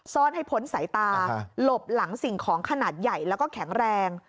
ซ่อนให้พ้นสายตาหลบหลังสิ่งของขนาดใหญ่แล้วก็แข็งแรง